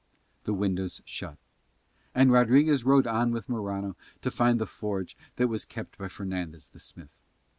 The windows shut; and Rodriguez rode on with Morano to find the forge that was kept by Fernandez the smith.